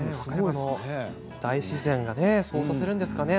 大自然がそうさせるんですかね。